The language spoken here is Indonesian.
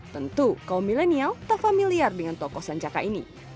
tentu kaum milenial tak familiar dengan tokoh sancaka ini